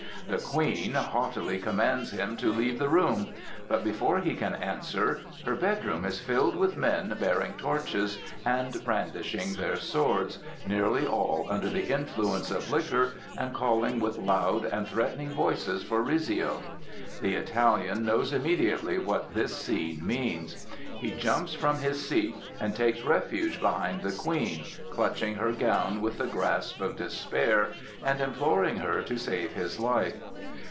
The Queen haughtily commands him to leave the room; but before he can answer, her bedroom is filled with men bearing torches and brandishing their swords, nearly all under the influence of liquor, and calling with loud and threatening voices for Rizzio. The Italian knows immediately what this scene means. He jumps from his seat and takes refuge behind the Queen, clutching her gown with the grasp of despair and imploring her to save his life.